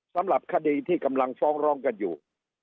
สำหรับคดีที่กำลังฟ้องร้องกันอยู่